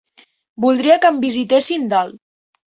Voldria que em visitessin d'alt.